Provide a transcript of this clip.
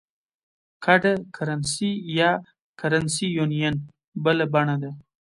ګډه کرنسي یا Currency Union بله بڼه ده.